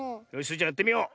ちゃんやってみよう！